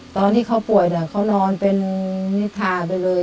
ตอนที่เขาป่วยเขานอนเป็นนิทาไปเลย